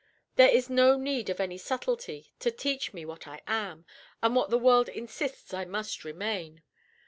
There is no need of any subtlety to teach me what I am, and what the world insists I must remain.